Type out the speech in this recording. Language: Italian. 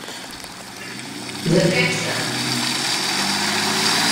The Texan